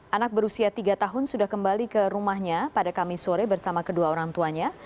anak berusia tiga tahun sudah kembali ke rumahnya pada kamis sore bersama kedua orang tuanya